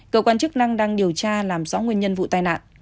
cơ quan chức năng đang điều tra làm rõ nguyên nhân vụ tai nạn